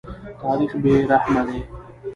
تاریخ بې رحمه دی.